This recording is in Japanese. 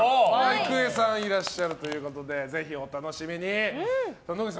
郁恵さんがいらっしゃるということでぜひお楽しみに！